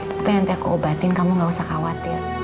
tapi nanti aku obatin kamu gak usah khawatir